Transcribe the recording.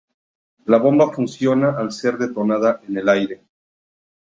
La bomba funciona al ser detonada en el aire.